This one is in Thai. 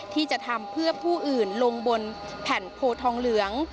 ที่จะทำเพื่อผู้อื่นลงบนแผ่นโพทองเหลือง